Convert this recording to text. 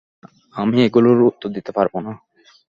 আমি এগুলোর উত্তর দিতে পারব না।